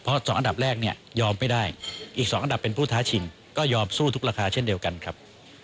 เพราะ๒อันดับแรกเนี่ยยอมไม่ได้อีก๒อันดับเป็นผู้ท้าชิงก็ยอมสู้ทุกราคาเช่นเดียวกันครับ